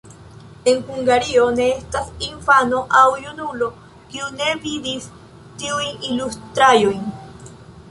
En Hungario ne estas infano aŭ junulo, kiu ne vidis tiujn ilustraĵojn.